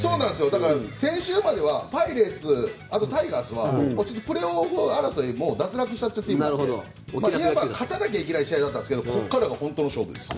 先週まではパイレーツあとタイガースはプレーオフ争い脱落したチームなので勝たなきゃいけない試合だったんですがここからが本当の勝負です。